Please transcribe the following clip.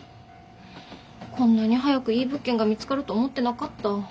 こんなに早くいい物件が見つかると思ってなかった。